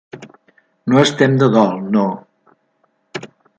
No estem de dol, no.